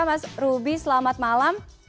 mas ruby selamat malam